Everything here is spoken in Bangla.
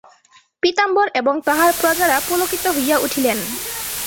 পীতাম্বর এবং তাঁহার প্রজারা পুলকিত হইয়া উঠিলেন।